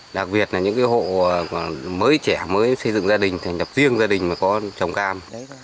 đặc biệt là những hộ mới trẻ mới xây dựng gia đình thành lập riêng gia đình mà có trồng cam